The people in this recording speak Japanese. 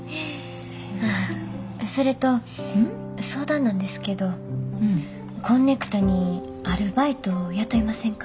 それと相談なんですけどこんねくとにアルバイト雇いませんか？